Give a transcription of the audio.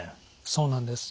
そうなんです。